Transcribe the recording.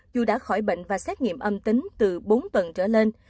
dù đã khỏi bệnh và xét nghiệm âm tính từ bốn tuần trở lên